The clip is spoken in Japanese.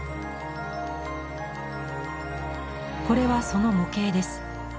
これはその模型です。